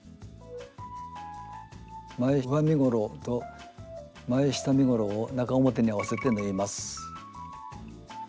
前上身ごろと前下身ごろを中表に合わせて縫います。